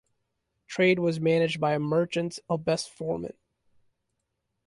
Trade was managed by a merchant's ablest foreman.